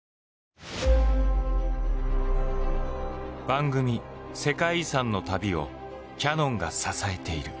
番組「世界遺産」の旅をキヤノンが支えている。